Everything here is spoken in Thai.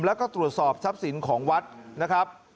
แล้วก็ตรวจสอบทรัพย์สินของวัดนะครับ